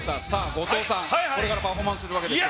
後藤さん、これからパフォーマンスするわけですけど。